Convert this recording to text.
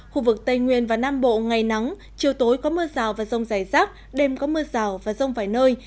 khu vực tây nguyên và nam bộ ngày nắng chiều tối có mưa rào và rông rải rác đêm có mưa rào và rông vài nơi